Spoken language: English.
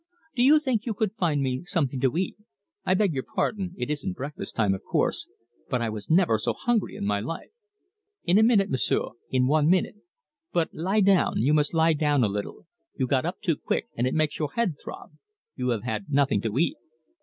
Do you think you could find me something to eat? I beg your pardon it isn't breakfast time, of course, but I was never so hungry in my life!" "In a minute, M'sieu' in one minute. But lie down, you must lie down a little. You got up too quick, and it makes your head throb. You have had nothing to eat."